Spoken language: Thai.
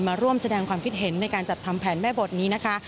มาร่วมแสดงความคิดเห็นในการจัดทำแผนแม่บทนี้นะคะ